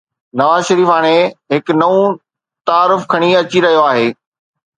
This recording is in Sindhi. نواز شريف هاڻي هڪ نئون تعارف کڻي اچي رهيو آهي.